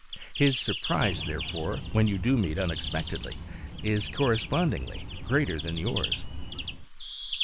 His surprise, therefore, when you do meet unexpectedly is correspondingly greater than yours.